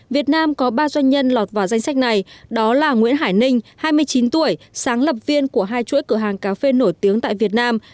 việt nam có ba doanh nhân lọt vào danh sách này đó là nguyễn hải ninh hai mươi chín tuổi sáng lập viên của hai chuỗi cửa hàng cà phê nổi tiếng tại việt nam